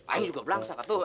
ayah juga belangsa kak